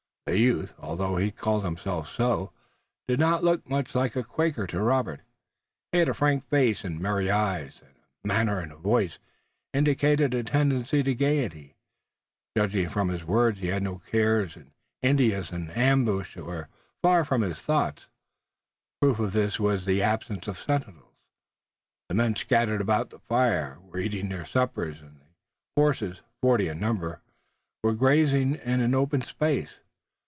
The youth, although he called himself so, did not look much like a Quaker to Robert. He had a frank face and merry eyes, and manner and voice indicated a tendency to gayety. Judging from his words he had no cares and Indians and ambush were far from his thoughts. Proof of this was the absence of sentinels. The men, scattered about the fire, were eating their suppers and the horses, forty in number, were grazing in an open space.